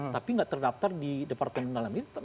tapi nggak terdaftar di departemen dalam negeri